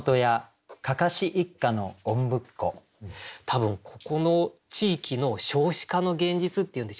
多分ここの地域の少子化の現実っていうんでしょうかね。